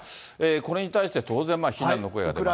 これに対して、当然、非難の声が出ています。